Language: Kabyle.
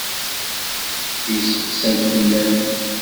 Yesseqsa-d fell-am.